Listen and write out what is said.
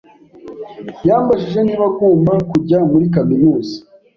Yambajije niba agomba kujya muri kaminuza.